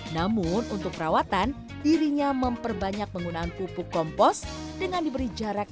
namun untuk perawatan dirinya memperbanyak penggunaan pupuk kompos dengan diberi jarak